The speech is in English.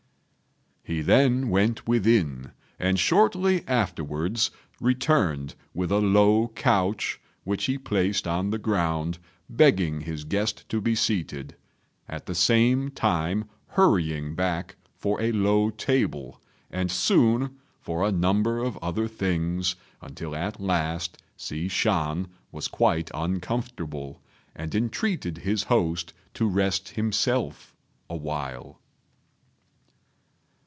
He then went within, and shortly afterwards returned with a low couch, which he placed on the ground, begging his guest to be seated, at the same time hurrying back for a low table, and soon for a number of other things, until at last Hsi Shan was quite uncomfortable, and entreated his host to rest himself awhile.